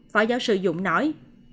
phó giáo sư dũng nói